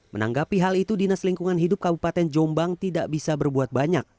menanggapi hal itu dinas lingkungan hidup kabupaten jombang tidak bisa berbuat banyak